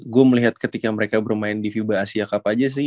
gue melihat ketika mereka bermain di fiba asia cup aja sih